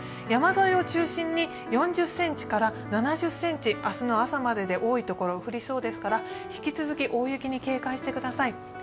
山沿いを中心に４０ｃｍから７０ｃｍ明日の朝までで多い所降りそうですから引き続き大雪に警戒してください。